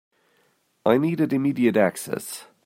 I needed immediate access.